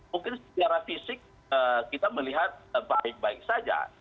mungkin secara fisik kita melihat baik baik saja